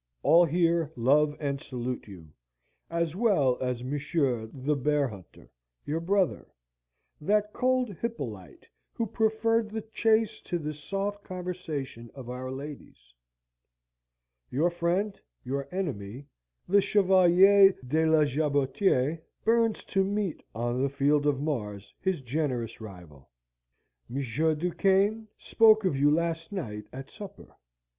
All here love and salute you, as well as Monsieur the Bear hunter, your brother (that cold Hippolyte who preferred the chase to the soft conversation of our ladies!) Your friend, your enemy, the Chevalier de la Jabotiere, burns to meet on the field of Mars his generous rival. M. Du Quesne spoke of you last night at supper. M.